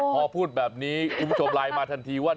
พอพูดแบบนี้คุณผู้ชมไลน์มาทันทีว่า